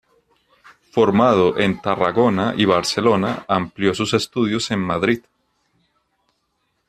Formado en Tarragona y Barcelona, amplió sus estudios en Madrid.